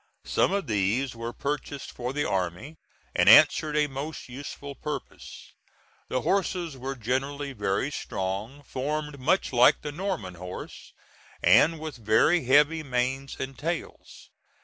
Some of these were purchased for the army, and answered a most useful purpose. The horses were generally very strong, formed much like the Norman horse, and with very heavy manes and tails.